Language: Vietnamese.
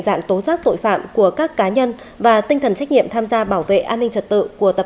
dạng tố giác tội phạm của các cá nhân và tinh thần trách nhiệm tham gia bảo vệ an ninh trật tự của tập